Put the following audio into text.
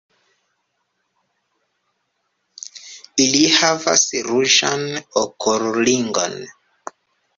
Ili havas ruĝan okulringon.